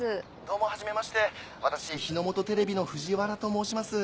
どうもはじめまして私日の本テレビの藤原と申します。